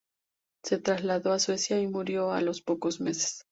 Se trasladó a Suecia y murió a los pocos meses.